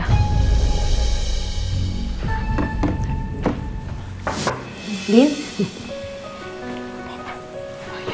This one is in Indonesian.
apa paket itu dari angga